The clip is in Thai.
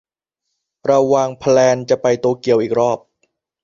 เราวางแพลนจะไปโตเกียวอีกรอบ